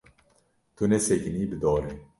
Tu nesekinî bi dorê.